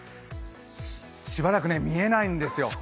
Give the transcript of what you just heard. しばらくね、見えないんですよ。